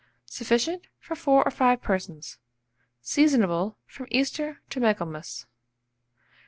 Sufficient for 4 or 5 persons. Seasonable from Easter to Michaelmas.